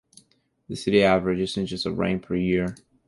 The city averages inches of rain per year.